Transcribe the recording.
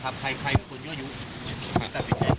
ท้าท้าให้ผมเข้าไปครับ